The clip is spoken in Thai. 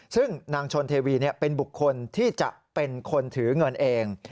ซึ่งนางชนเทวีเป็นบุคคลที่จะเป็นคนถือเงินเอง